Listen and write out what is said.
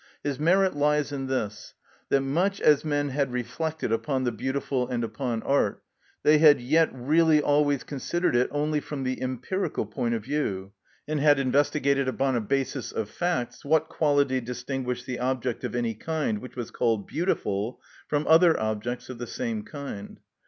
His merit lies in this, that much as men had reflected upon the beautiful and upon art, they had yet really always considered it only from the empirical point of view, and had investigated upon a basis of facts what quality distinguished the object of any kind which was called beautiful from other objects of the same kind.